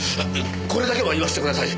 これだけは言わせてください。